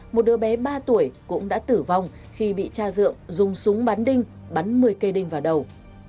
một đứa bé ba tuổi cũng đã tử vong khi bị cha dượng dùng súng bắn đinh bắn một mươi cây đinh vào đầu